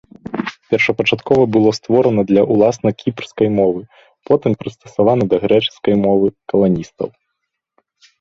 Першапачаткова было створана для ўласна кіпрскай мовы, потым прыстасавана да грэчаскай мовы каланістаў.